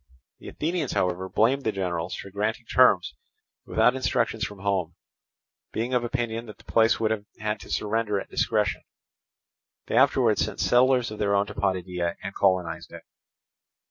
The Athenians, however, blamed the generals for granting terms without instructions from home, being of opinion that the place would have had to surrender at discretion. They afterwards sent settlers of their own to Potidæa, and colonized it.